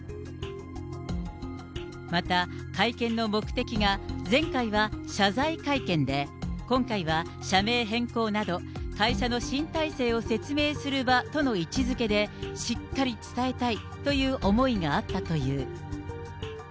また、会見の目的が、前回は謝罪会見で、今回は社名変更など、会社の新体制を説明する場との位置づけで、しっかり伝えたいという思いがあったという。